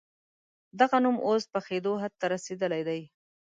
دغه نوم اوس پخېدو حد ته رسېدلی دی.